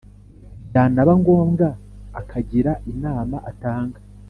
, byanaba ngombwa akagira inama atanga